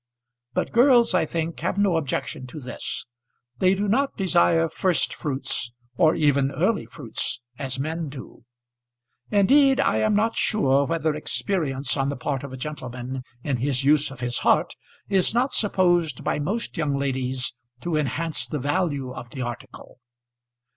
But girls, I think, have no objection to this. They do not desire first fruits, or even early fruits, as men do. Indeed, I am not sure whether experience on the part of a gentleman in his use of his heart is not supposed by most young ladies to enhance the value of the article.